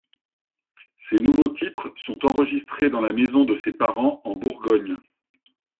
Ces nouveaux titres sont enregistrés dans la maison de ses parents, en Bourgogne.